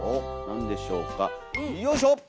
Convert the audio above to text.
なんでしょうかよいしょ！